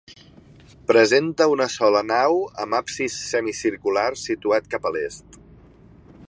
Presenta una sola nau amb absis semicircular situat cap a l'est.